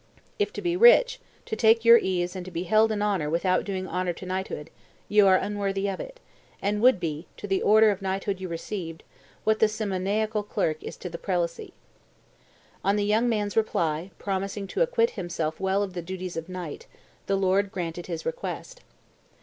If to be rich, to take your ease and be held in honor without doing honor to knighthood, you are unworthy of it, and would be, to the order of knighthood you received, what the simoniacal clerk is to the prelacy.' On the young man's reply, promising to acquit himself well of the duties of knight, the lord granted his request.